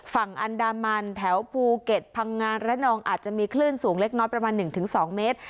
ฝั่งอันดามันแถวภูเก็ตพังงานระนองอาจจะมีคลื่นสูงเล็กน้อยประมาณ๑๒เมตร